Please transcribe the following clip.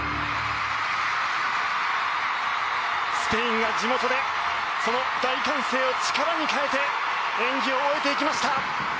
スペインが地元でその大歓声を力に変えて演技を終えていきました。